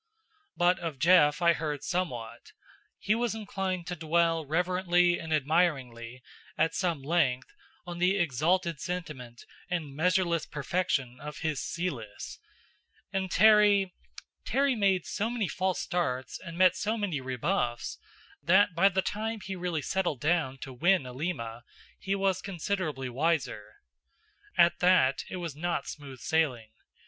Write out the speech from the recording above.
But of Jeff I heard somewhat; he was inclined to dwell reverently and admiringly, at some length, on the exalted sentiment and measureless perfection of his Celis; and Terry Terry made so many false starts and met so many rebuffs, that by the time he really settled down to win Alima, he was considerably wiser. At that, it was not smooth sailing.